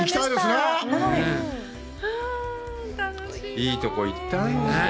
いいとこへ行ったね。